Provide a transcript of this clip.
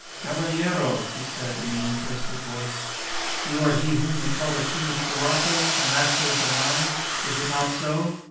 "Caballero," he said in an interested voice, "you are he whom they call the King of Sulaco, the master of the mine? Is it not so?"